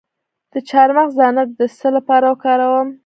د چارمغز دانه د څه لپاره وکاروم؟